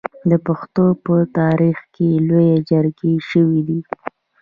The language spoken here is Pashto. د پښتنو په تاریخ کې لویې جرګې شوي دي.